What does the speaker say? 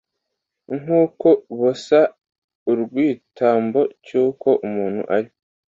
nk uko bosa urw igitambo cy uko umuntu ari